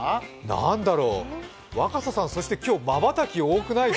何だろう、若狭さん今日まばたき多くない？